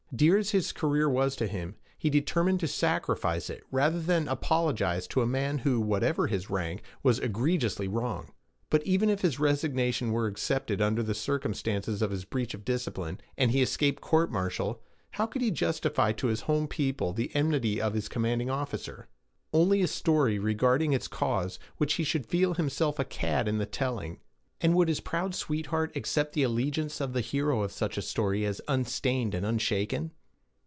Dear as his career was to him, he determined to sacrifice it rather than apologize to a man who, whatever his rank, was egregiously wrong. But even if his resignation were accepted under the circumstances of his breach of discipline, and he escaped court martial, how could he justify to his home people the enmity of his commanding officer? Only by a story regarding its cause which he should feel himself a cad in the telling. And would his proud sweetheart accept the allegiance of the hero of such a story as unstained and unshaken?